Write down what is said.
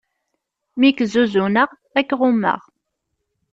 Mi k-zuzuneɣ ad k-ɣummeɣ.